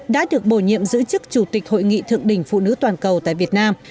đã được bổ nhiệm giữ chức chủ tịch hội nghị thượng đỉnh phụ nữ toàn cầu tại việt nam